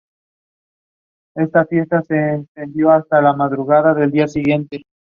The company is involved in the manufacturing and sale of cigarettes and tobacco products.